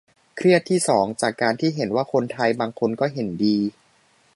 เครียดที่สองจากการที่เห็นว่าคนไทยบางคนก็เห็นดี